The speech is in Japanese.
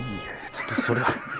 ちょっとそれは。